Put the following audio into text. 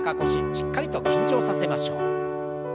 しっかりと緊張させましょう。